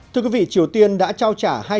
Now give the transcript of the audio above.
thưa quý vị triều tiên đã trao trả